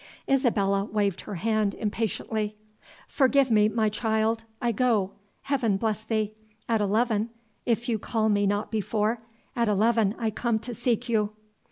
Isabella waved her hand impatiently. "Forgive me, my child I go Heaven bless thee. At eleven if you call me not before at eleven I come to seek you."